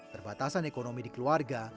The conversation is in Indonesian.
terbatasan ekonomi di keluarga